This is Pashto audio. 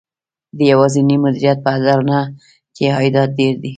د یوازېني مدیریت په اډانه کې عایدات ډېر دي